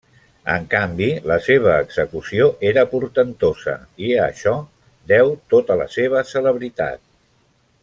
En canvi la seva execució era portentosa, i a això, deu tota la seva celebritat.